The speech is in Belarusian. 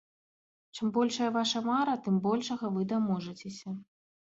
Чым большая ваша мара, тым большага вы даможацеся.